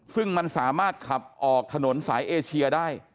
ซึ่งมันสามารถขับออกถนนสายเอเชียได้